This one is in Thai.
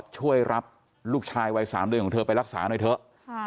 ช่วยรับลูกชายวัย๓เดือนของเธอไปรักษาหน่อยเถอะ